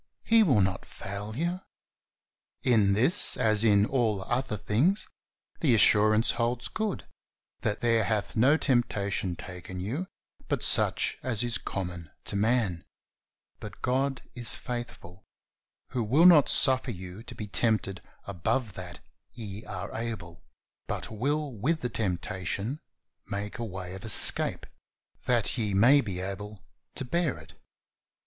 He will not fail you. In this, as in all other things, the assurance holds good, that "there hath no temptation taken you but such as is common to man ; but God is faithful, who will not suffer you to be tempted above that ye are able, but will with the temptation make a way of escape that ye may be able to bear it."